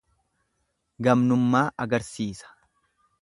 Gamnummaa agarsiisa.